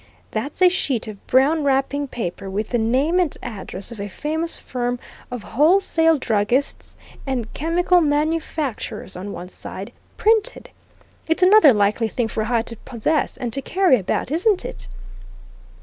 "That's a sheet of brown wrapping paper with the name and address of a famous firm of wholesale druggists and chemical manufacturers on one side printed. It's another likely thing for Hyde to possess, and to carry about, isn't it?"